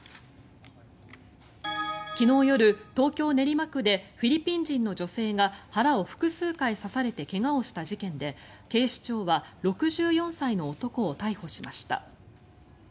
昨日夜、東京・練馬区でフィリピン人の女性が腹を複数回刺されて怪我をした事件で警視庁は６４歳の男を逮捕しました。